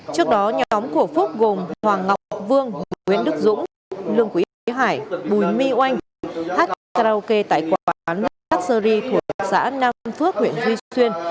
trước đó nhóm của phúc gồm hoàng ngọc vương nguyễn đức dũng lương quỷ hải bùi my oanh hát trao kê tại quán luxury thuộc xã nam phước huyện duy xuyên